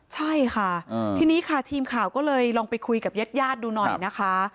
ใช่ค่ะทีนี้ค่ะทีมข่าวก็เลยลองไปคุยกับญาติญาติดูหน่อยนะคะ